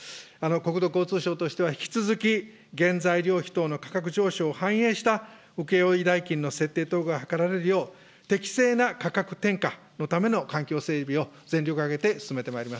国土交通省としては引き続き、原材料費等の価格上昇を反映した請負代金の設定等が図られるよう、適正な価格転嫁のための環境整備